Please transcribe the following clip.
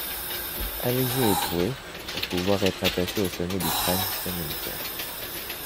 Allégée et trouée pour pouvoir être attachée au sommet du crane comme une coiffe.